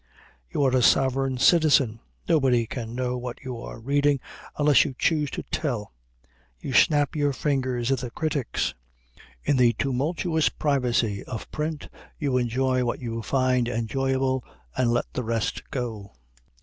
You are a sovereign citizen. Nobody can know what you are reading unless you choose to tell. You snap your fingers at the critics. In the "tumultuous privacy" of print you enjoy what you find enjoyable, and let the rest go.